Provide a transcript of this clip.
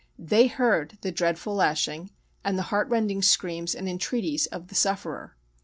They heard the dreadful lashing and the heart rending screams and entreaties of the sufferer.